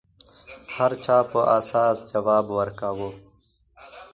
هر چا پر اساس ځواب ورکاوه